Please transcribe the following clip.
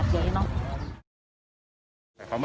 มันก็ไม่ควรที่จะทำร้ายกันขนาดเยอะเนาะ